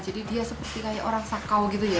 jadi dia seperti kayak orang sakau gitu ya